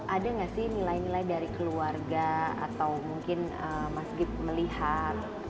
ada nggak sih nilai nilai dari keluarga atau mungkin mas gip melihat